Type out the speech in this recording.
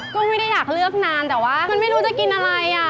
ก็ไม่ได้อยากเลือกนานแต่ว่ามันไม่รู้จะกินอะไรอ่ะ